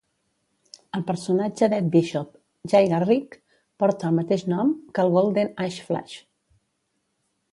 El personatge d'Ed Bishop, Jay Garrick, porta el mateix nom que el Golden Age Flash.